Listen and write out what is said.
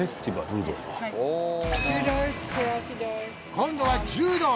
今度は柔道。